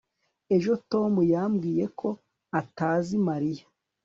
ejo, tom yambwiye ko atazi mariya